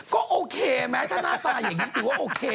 ก็โอเคไหมถ้าหน้าตาอย่างนี้ถือว่าโอเค